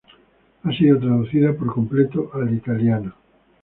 Ha sido traducida por completo al italiano.